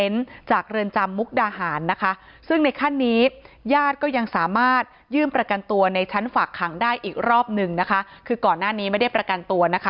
ในชั้นฝักขังได้อีกรอบหนึ่งนะคะคือก่อนหน้านี้ไม่ได้ประกันตัวนะคะ